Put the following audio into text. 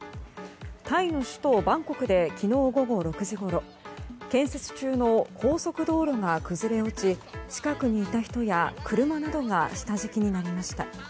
タイの首都バンコクで昨日午後６時ごろ建設中の高速道路が崩れ落ち近くにいた人や車などが下敷きになりました。